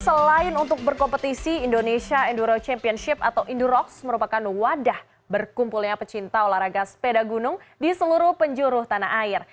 selain untuk berkompetisi indonesia enduro championship atau endurox merupakan wadah berkumpulnya pecinta olahraga sepeda gunung di seluruh penjuru tanah air